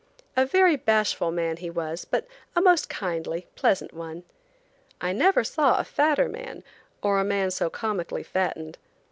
A very bashful man he was, but a most kindly, pleasant one. I never saw a fatter man, or a man so comically fattened.